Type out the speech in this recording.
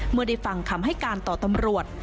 เมื่อได้ฟังคำให้การต่อตำรวจ